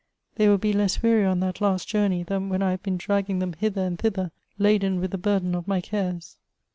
. They will be less weary on that last journey than when I have been dragging them hither and thither, laden with the burthen of my cares.